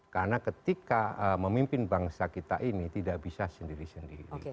karena ketika memimpin bangsa kita ini tidak bisa sendiri sendiri